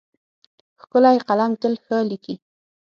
ښکلی قلم تل ښه لیکي.